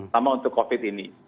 sama untuk covid ini